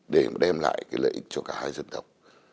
để mà đem lại cái lợi ích cho cả hai dân tộc